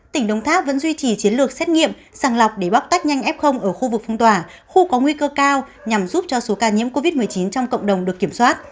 tỉnh đồng tháp vẫn duy trì chiến lược xét nghiệm sàng lọc để bóc tách nhanh f ở khu vực phong tỏa khu có nguy cơ cao nhằm giúp cho số ca nhiễm covid một mươi chín trong cộng đồng được kiểm soát